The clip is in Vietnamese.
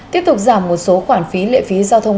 tiếp tục giảm một số khoản phí lệ phí giao thông